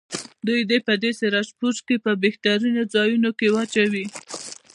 دوی دې په سراجپور کې په بهترینو ځایونو کې واچوي.